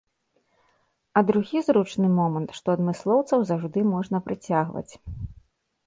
А другі зручны момант, што адмыслоўцаў заўжды можна прыцягваць.